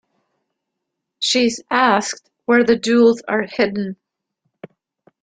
She is asked where the jewels are hidden.